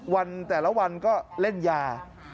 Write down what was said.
แต่ละวันก็เล่นยา